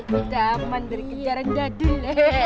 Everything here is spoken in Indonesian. kita aman berkejaran jadul